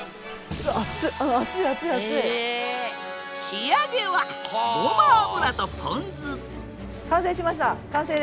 仕上げはごま油とポン酢完成しました完成です。